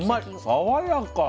爽やか。